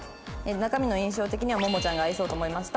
中身の印象的にはももちゃんが合いそうと思いました。